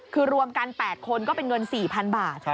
คือรวมกัน๘คนก็เป็นเงิน๔๐๐๐บาท